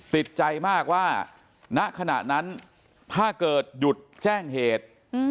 ติดใจมากว่าณขณะนั้นถ้าเกิดหยุดแจ้งเหตุ